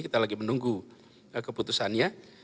kita lagi menunggu keputusannya